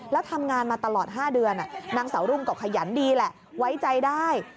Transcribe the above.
แล้วทำงานมาตลอด๕เดือนนางสาวรุ่งก็ขยันดีแหละไว้ใจได้